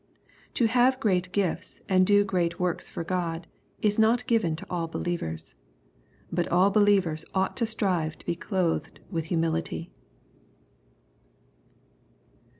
To have great gifts, and do great works for God, is not given to all believers. But all believers ought to strive to be clothed with humility.